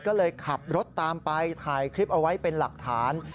ก็เลยขับรถตามไปถ่ายคลิปเอาไว้เป็นหลักฐาน